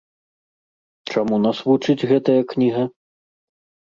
Чаму нас вучыць гэтая кніга?